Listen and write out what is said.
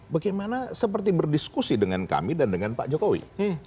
bagaimana seperti berdiskusi dengan kami dan dengan pak jokowi